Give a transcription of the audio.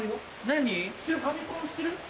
何？